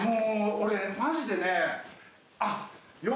俺マジでね。